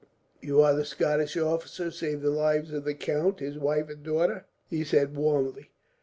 "You are the Scottish officer who saved the lives of the count, his wife, and daughter," he said warmly.